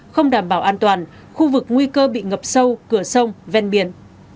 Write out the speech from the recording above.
không đảm bảo an toàn khu vực nguy cơ bị ngập sâu cửa sông ven biển